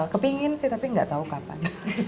kepingin sih tapi gak tau kapan